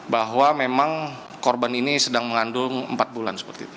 bahwa memang korban ini sedang mengandung empat bulan seperti itu